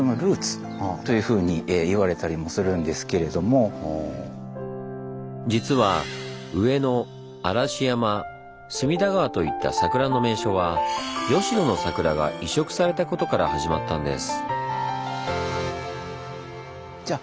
そして実は上野嵐山隅田川といった桜の名所は吉野の桜が移植されたことから始まったんです。